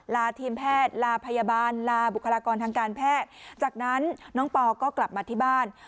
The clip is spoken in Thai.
ลาทีมแพทย์ลาพยาบาลลาบุคลากรทางการแพทย์จากนั้นน้องปอก็กลับมาที่บ้าน